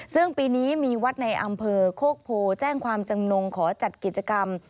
ซึ่งปีนี้มีวัดในอำเภอโคกโพแจ้งความจำนงขอจัดกิจกรรม